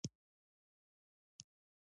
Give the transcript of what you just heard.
تکړه او نامتو متخصصان راڅرګند شول.